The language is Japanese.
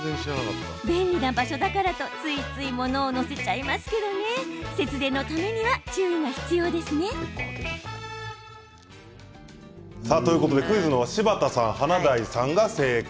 便利な場所だからとついつい物を載せがちですが節電のためには注意が必要ですね。ということでクイズは柴田さん、華大さんが正解。